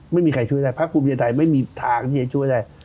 ไม่มีใครช่วยได้พักภูมิใจไทยไม่มีทางที่จะช่วยได้